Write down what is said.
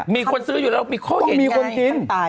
มีคนซื้ออยู่แล้วมีคนกิน